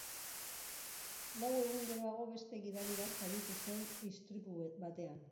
Lau egun geroago, beste gidari bat zauritu zen istripu batean.